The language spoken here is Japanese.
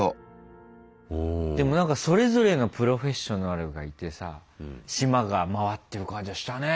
でも何かそれぞれのプロフェッショナルがいてさ島が回ってる感じはしたね。